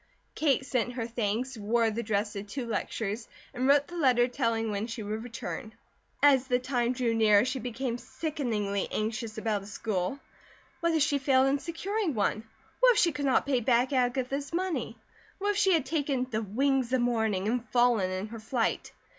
Kate sent her thanks, wore the dress to two lectures, and wrote the letter telling when she would return. As the time drew nearer she became sickeningly anxious about a school. What if she failed in securing one? What if she could not pay back Agatha's money? What if she had taken "the wings of morning," and fallen in her flight?